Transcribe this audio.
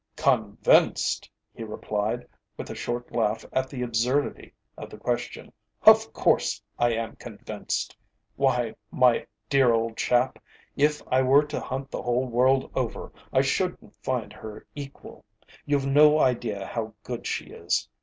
"Convinced?" he replied, with a short laugh at the absurdity of the question, "of course, I am convinced. Why, my dear old chap, if I were to hunt the whole world over, I shouldn't find her equal. You've no idea how good she is.